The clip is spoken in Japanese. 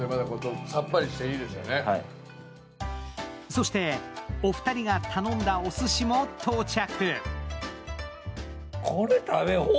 そしてお二人が頼んだおすしも到着。